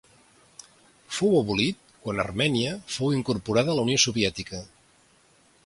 Fou abolit quan Armènia fou incorporada a la Unió Soviètica.